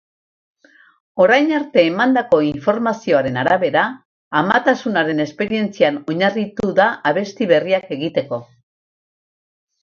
Orain arte emandako informazioaren arabera, amatasunaren esperientzian oinarritu da abesti berriak egiteko.